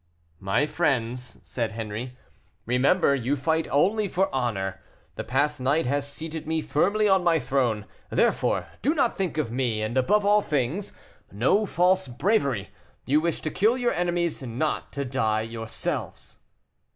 "My friends," said Henri, "remember you fight only for honor; the past night has seated me firmly on my throne, therefore do not think of me; and, above all things, no false bravery; you wish to kill your enemies, not to die yourselves."